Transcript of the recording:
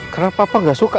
kenapa papa gak suka